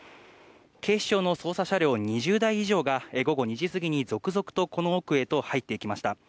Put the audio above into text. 警視庁の捜査車両２０台以上が午後２時過ぎに続々とこの奥へと入っていきました。